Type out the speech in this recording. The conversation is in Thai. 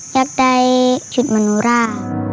อยากได้ชุดมโนรา